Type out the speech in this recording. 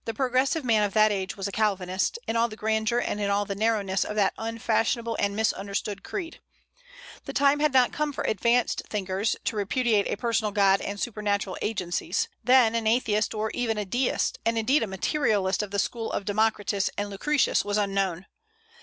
The progressive man of that age was a Calvinist, in all the grandeur and in all the narrowness of that unfashionable and misunderstood creed. The time had not come for "advanced thinkers" to repudiate a personal God and supernatural agencies. Then an atheist, or even a deist, and indeed a materialist of the school of Democritus and Lucretius, was unknown.